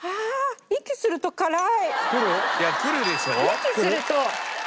息すると。